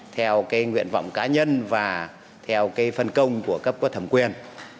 theo cái nguyện vọng cá nhân và theo cái phân công của cấp có thẩm quyền